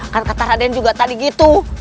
kan kata raden juga tadi gitu